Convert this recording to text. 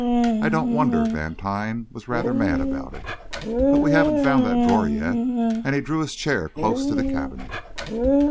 I don't wonder Vantine was rather mad about it. But we haven't found that drawer yet," and he drew his chair close to the cabinet.